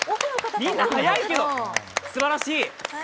みんな速いけど、すばらしい！